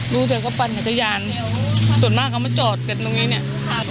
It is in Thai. รู้แต่เขาปั่นจักรยานส่วนมากเขามาจอดกันตรงนี้เนี่ย